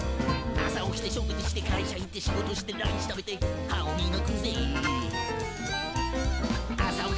「朝起きて食事して会社行って仕事してランチ食べて昼寝して」